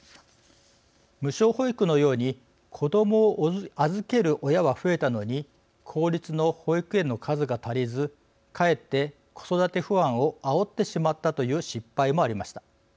無償保育のように子どもを預ける親は増えたのに公立の保育園の数が足りずかえって子育て不安をあおってしまったという失敗もありました。